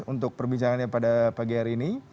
untuk perbincangannya pada pagi hari ini